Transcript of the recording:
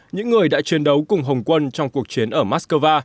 những người đã chiến đấu cùng hồng quân trong cuộc chiến ở moscow